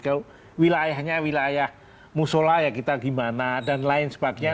jauh wilayahnya wilayah musola ya kita gimana dan lain sebagainya